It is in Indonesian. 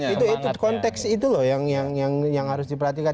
itu konteks itu loh yang harus diperhatikan